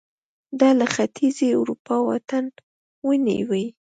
دا له ختیځې اروپا واټن ونیو